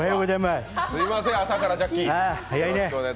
すいません、朝からジャッキー。